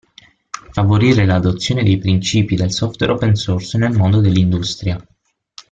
Favorire l'adozione dei principi del software open source nel mondo dell'industria.